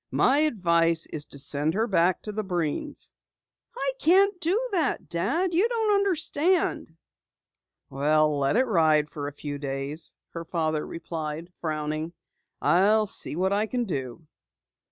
"My advice is to send her back to the Breens." "I can't do that, Dad. You don't understand." "Well, let it ride for a few days," her father replied, frowning. "I'll see what I can do."